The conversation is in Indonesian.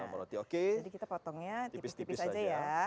oke jadi kita potongnya tipis tipis aja ya